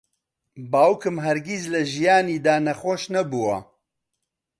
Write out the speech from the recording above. باوکم هەرگیز لە ژیانیدا نەخۆش نەبووە.